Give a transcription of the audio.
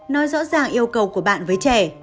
nói rõ ràng yêu cầu của bạn với trẻ